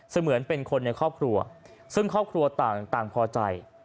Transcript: เหมือนเป็นคนในครอบครัวซึ่งครอบครัวต่างพอใจ